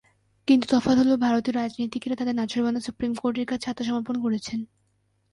কিন্তু তফাত হলো, ভারতীয় রাজনীতিকেরা তাঁদের নাছোড়বান্দা সুপ্রিম কোর্টের কাছে আত্মসমর্পণ করেছেন।